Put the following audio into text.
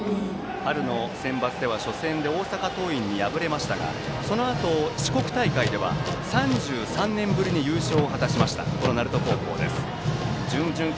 春のセンバツでは初戦で大阪桐蔭に敗れましたがそのあと四国大会では３３年ぶりに優勝を果たしたこの鳴門高校です。